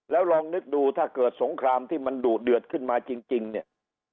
แล้วลองนึกดูถ้าเกิดสงครามที่มันดุเดือดขึ้นมาจริงเนี่ย